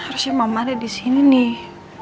harusnya mama dia di sini nih